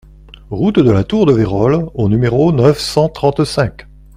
Route de la Tour de Vayrols au numéro neuf cent trente-cinq